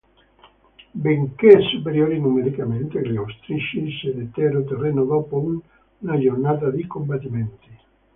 Benché superiori numericamente, gli austriaci cedettero terreno dopo una giornata di combattimenti.